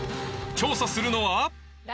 調査するのは誰？